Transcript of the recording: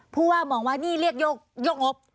ผู้ว่ามองว่านี่เรียกโยกงบ